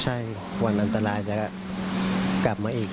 ใช่วันอันตรายจะกลับมาอีก